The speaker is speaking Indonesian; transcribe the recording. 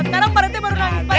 sekarang pak rete baru nangis